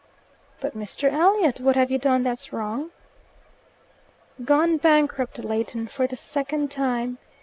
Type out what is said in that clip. "But, Mr. Elliot, what have you done that's wrong?" "Gone bankrupt, Leighton, for the second time.